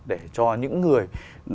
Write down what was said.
để cho những người